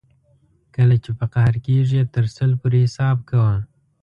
کله چې په قهر کېږې تر سل پورې حساب کوه.